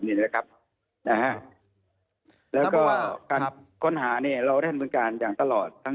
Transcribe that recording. แล้วก็การค้นหาเราได้เห็นบริการอย่างตลอด